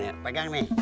nih pegang nih